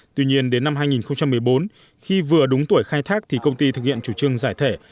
tuy nhiên đến năm hai nghìn một mươi bốn khi vừa đúng tuổi khai thác thì công ty thực hiện chủ trương giải thể